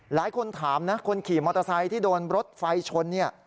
หลายคนถามนะคนขี่มอเตอร์ไซค์ที่โดนรถไฟชนเนี่ย